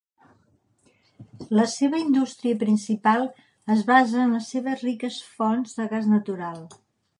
La seva indústria principal es basa en les seves riques fonts de gas natural.